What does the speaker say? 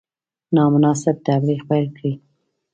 نامناسب تبلیغ پیل کړي.